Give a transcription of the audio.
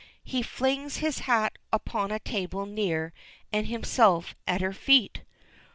He flings his hat upon a table near, and himself at her feet.